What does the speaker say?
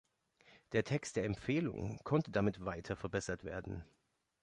Der Text der Empfehlung konnte damit weiter verbessert werden.